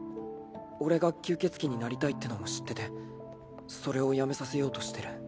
俺が吸血鬼になりたいってのも知っててそれをやめさせようとしてる。